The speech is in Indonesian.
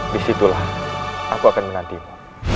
disitulah aku akan menantimu